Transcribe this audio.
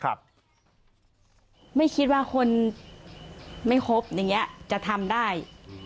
ไม่คิดว่าคนไม่ครบอย่างนี้จะทำได้